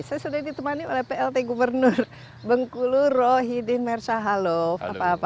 saya sudah ditemani oleh plt gubernur bengkulu rohidin mersyahalov